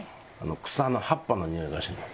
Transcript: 草の葉っぱのにおいがしない。